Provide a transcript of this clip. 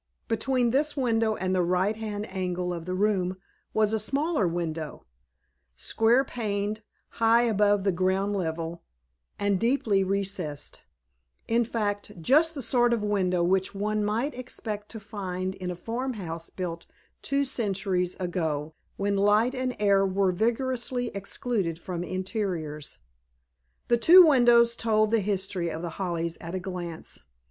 Between this window and the right hand angle of the room was a smaller window, square paned, high above the ground level, and deeply recessed—in fact just the sort of window which one might expect to find in a farm house built two centuries ago, when light and air were rigorously excluded from interiors. The two windows told the history of The Hollies at a glance.